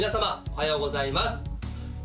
おはようございます